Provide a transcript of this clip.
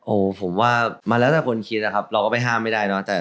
โอ้โหผมว่ามันแล้วแต่คนคิดนะครับเราก็ไปห้ามไม่ได้เนอะ